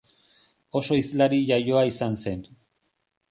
Oso hizlari iaioa izan zen.